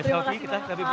melewati semua hasan problem